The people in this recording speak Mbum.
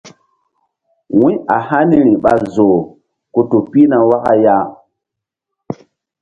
Wu̧y a haniri ɓa zoh ku tu pihna waka ya.